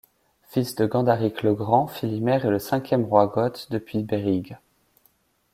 Fils de Gandaric le Grand, Filimer est le cinquième roi goth depuis Berig.